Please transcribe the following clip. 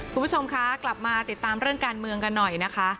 คุณผู้ชมคะกลับมาติดตามเรื่องการเมืองกันหน่อยนะคะ